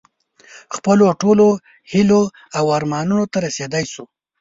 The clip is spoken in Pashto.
خپلو ټولو هیلو او ارمانونو ته رسېدی شو.